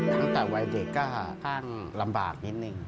ตั้งแต่วัยเด็กก็อ้างลำบากนิดนึง